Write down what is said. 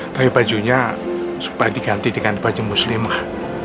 tapi bajunya supaya diganti dengan baju muslimah